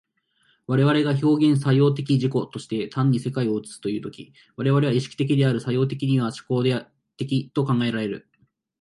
我々が表現作用的自己として単に世界を映すという時、我々は意識的である、作用的には志向的と考えられる。